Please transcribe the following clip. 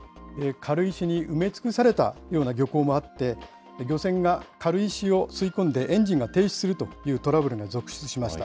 軽石に埋め尽くされたような漁港もあって、漁船が軽石を吸い込んでエンジンが停止するというトラブルが続出しました。